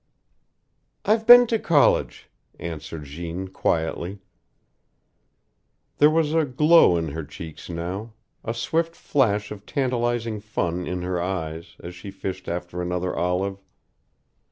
"I've been to college," answered Jeanne, quietly. There was a glow in her cheeks now, a swift flash of tantalizing fun in her eyes, as she fished after another olive.